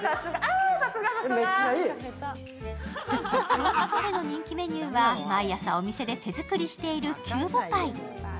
そんなカフェの人気メニューは、毎朝お店で手作りしているキューブパイ。